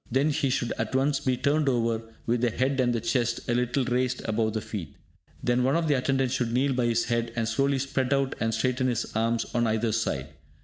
Then he should at once be turned over, with the head and the chest a little raised above the feet. Then one of the attendants should kneel by his head, and slowly spread out and straighten his arms on either side.